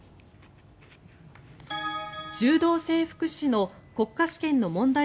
柔道整復師の国家試験の問題